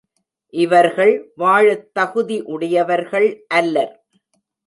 இவர்கள் வாழத் தகுதி உடையவர்கள் அல்லர்.